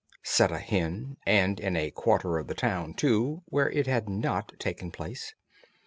said a hen, and in a quarter of the town, too, where it had not taken place.